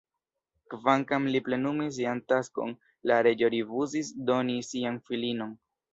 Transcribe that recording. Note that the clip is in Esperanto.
Kvankam li plenumis sian taskon, la reĝo rifuzis doni sian filinon.